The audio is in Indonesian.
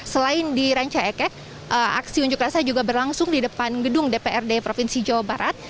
selain di ranca ekek aksi unjuk rasa juga berlangsung di depan gedung dprd provinsi jawa barat